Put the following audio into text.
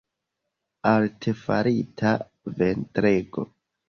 Artefarita ventrego.